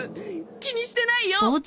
気にしてないよ。